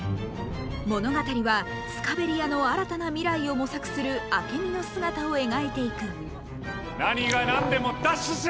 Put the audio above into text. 物語はスカベリアの新たな未来を模索するアケミの姿を描いていく何が何でも奪取しろ！